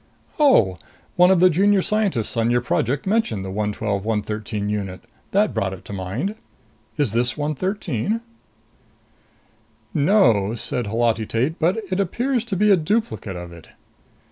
"Oh. One of the Junior Scientists on your Project mentioned the 112 113 unit. That brought it to mind. Is this 113?" "No," said Holati Tate. "But it appears to be a duplicate of it."